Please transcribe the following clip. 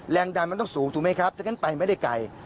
แรงดันมันต้องสูงถูกไหมครับถ้างั้นไปไม่ได้ไกล